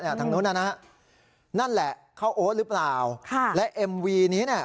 ทางนู้นนะฮะนั่นแหละเข้าโอ๊ตหรือเปล่าค่ะและเอ็มวีนี้เนี่ย